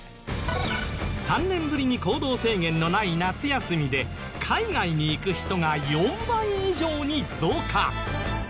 ３年ぶりに行動制限のない夏休みで海外に行く人が４倍以上に増加。